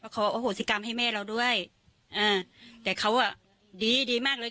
ขออโหสิกรรมให้แม่เราด้วยอ่าแต่เขาอ่ะดีดีมากเลย